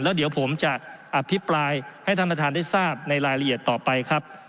แล้วเดี๋ยวผมจะอภิปรายให้ท่านประธานได้ทราบในรายละเอียดต่อไปครับ